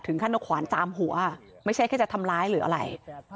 ถึงขั้นแล้วขวัญจามหัวไม่ใช่แค่ทำร้ายหรืออะไร